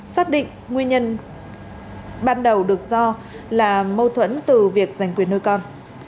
xác định nguyên nhân ban đầu được do là mâu thuẫn từ việc giành quyền nuôi con